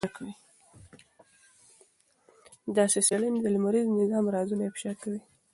داسې څېړنې د لمریز نظام رازونه افشا کوي.